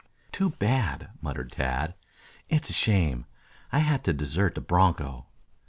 "Too bad," muttered Tad. "It's a shame I had to desert the broncho.